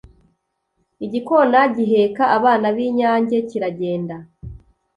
igikona giheka abana b’inyange kiragenda.